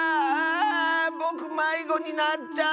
ぼくまいごになっちゃった！